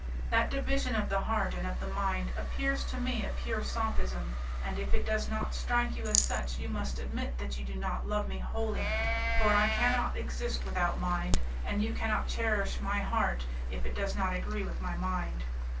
That division of the heart and of the mind appears to me a pure sophism, and if it does not strike you as such you must admit that you do not love me wholly, for I cannot exist without mind, and you cannot cherish my heart if it does not agree with my mind.